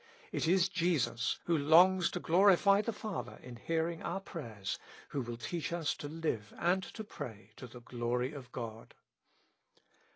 It is Jesus, who longs to glorify the Father in hearing our prayers, who will teach us to live and to pray to the glory of God.